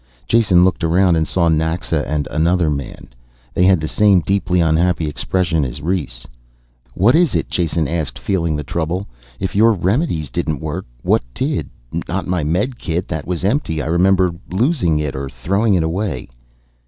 Jason looked around and saw Naxa and another man. They had the same deeply unhappy expressions as Rhes. "What is it?" Jason asked, feeling the trouble. "If your remedies didn't work what did? Not my medikit. That was empty. I remember losing it or throwing it away."